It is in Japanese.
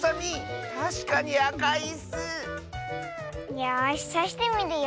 よしさしてみるよ。